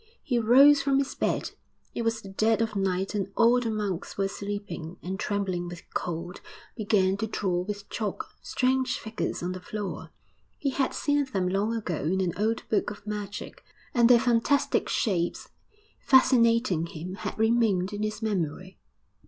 He rose from his bed it was the dead of night and all the monks were sleeping and, trembling with cold, began to draw with chalk strange figures on the floor. He had seen them long ago in an old book of magic, and their fantastic shapes, fascinating him, had remained in his memory.